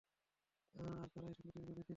আর তারা এই সম্পত্তিটাকে বেঁচে নিয়েছে।